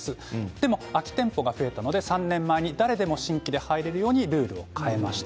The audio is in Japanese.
でも空き店舗が増えたので３年前に誰でも新規で入れるようにルールを変えました。